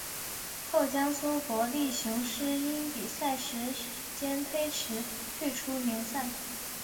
后江苏国立雄狮因比赛时间推迟退出联赛。